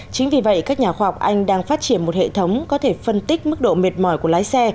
chính vì vậy các nhà khoa học anh đang phát triển một hệ thống có thể phân tích mức độ mệt mỏi của lái xe